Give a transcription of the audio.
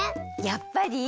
やっぱり？